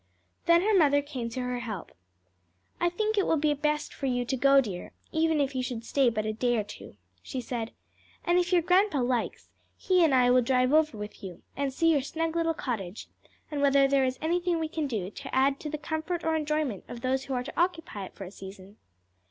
Then her mother came to her help. "I think it will be best for you to go, dear, even if you should stay but a day or two," she said. "And if your grandpa likes, he and I will drive over with you, and see your snug little cottage, and whether there is anything we can do to add to the comfort or enjoyment of those who are to occupy it for a season."